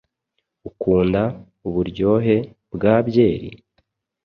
Ukunda uburyohe bwa byeri?